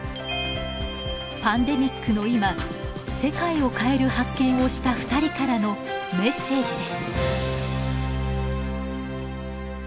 パンデミックの今世界を変える発見をした２人からのメッセージです。